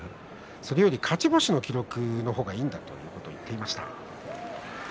それよりも勝ち星の記録の方がいいんだという話をしていました。